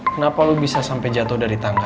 kenapa lo bisa sampai jatoh dari tangga